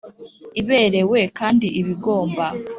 iberewe kandi ibigomba